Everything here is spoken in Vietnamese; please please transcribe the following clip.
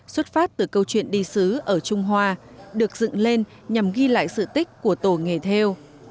xuất phát từ câu chuyện đi xứ ở trung hoa được dựng lên nhằm ghi lại sự tích của tổ nghề theo